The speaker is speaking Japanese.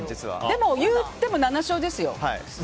でも、言うても７勝ですよ。